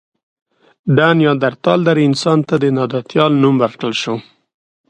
د نیاندرتال درې انسان ته د نایندرتال نوم ورکړل شو.